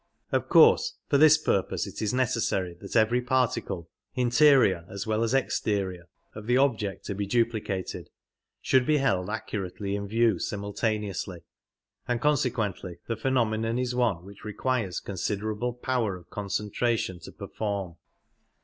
Of course for this purpose it is necessary that every particle, interior as well as exterior, of the object to be duplicated should be held accurately in view simultaneously, and consequently the phenomenon is one which requires considerable power of concentration to perform.